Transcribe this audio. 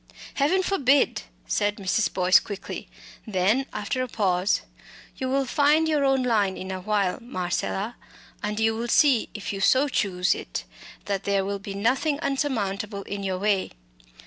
"Heaven forbid!" said Mrs. Boyce, quickly; then, after a pause: "You will find your own line in a little while, Marcella, and you will see, if you so choose it, that there will be nothing unsurmountable in your way.